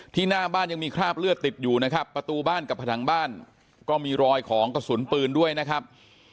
หน้าบ้านยังมีคราบเลือดติดอยู่นะครับประตูบ้านกับผนังบ้านก็มีรอยของกระสุนปืนด้วยนะครับ